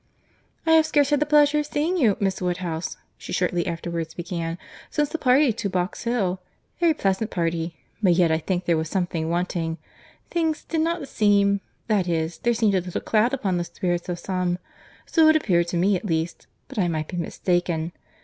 "I have scarce had the pleasure of seeing you, Miss Woodhouse," she shortly afterwards began, "since the party to Box Hill. Very pleasant party. But yet I think there was something wanting. Things did not seem—that is, there seemed a little cloud upon the spirits of some.—So it appeared to me at least, but I might be mistaken.